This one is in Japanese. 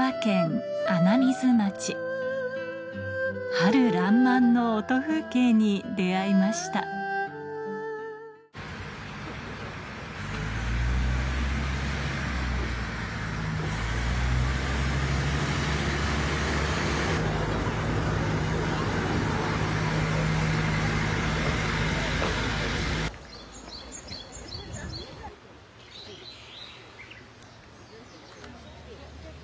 春らんまんの音風景に出合いましたプシュ！